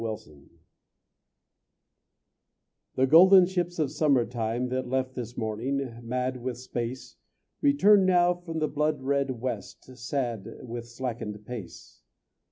XXVI The golden ships of summer time That left this morning, mad with space, Return now from the blood red west, Sad, with slackened pace.